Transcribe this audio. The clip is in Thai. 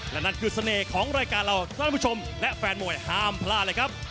และนั่นคือเสน่ห์ของรายการเราท่านผู้ชมและแฟนมวยห้ามพลาดเลยครับ